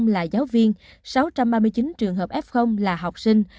là giáo viên sáu trăm ba mươi chín trường hợp f là học sinh